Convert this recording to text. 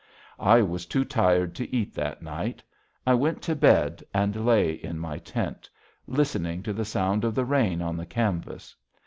I was too tired to eat that night. I went to bed and lay in my tent, listening to the sound of the rain on the canvas.